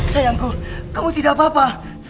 sayangku kamu tidak apa apa